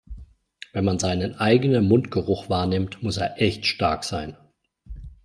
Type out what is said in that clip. Wenn man seinen eigenen Mundgeruch wahrnimmt, muss er echt stark sein.